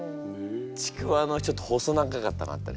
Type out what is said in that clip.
ちくわのちょっと細長かったのあったでしょ？